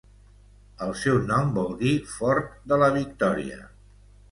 El seu nom vol dir Fort de la Victòria.